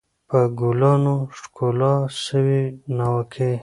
په ګلانو ښکلل سوې ناوکۍ